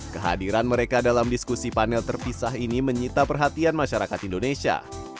kehadiran mereka dalam diskusi panel terpisah ini menyita perhatian masyarakat indonesia